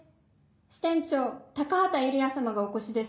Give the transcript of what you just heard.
支店長高畑ユリア様がお越しです